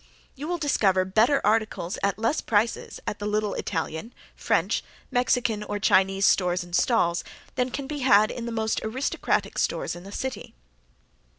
You will discover better articles at less prices at the little Italian, French, Mexican or Chinese stores and stalls than can be had in the most aristocratic stores in the city.